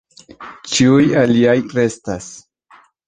Ĉiuj aliaj restas.